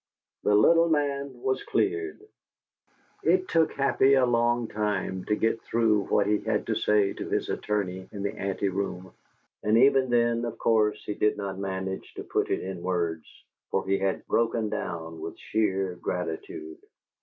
The little man was cleared. It took Happy a long time to get through what he had to say to his attorney in the anteroom, and even then, of course, he did not manage to put it in words, for he had "broken down" with sheer gratitude.